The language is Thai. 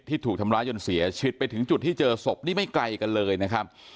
ถูกทำร้ายจนเสียชีวิตไปถึงจุดที่เจอศพนี่ไม่ไกลกันเลยนะครับ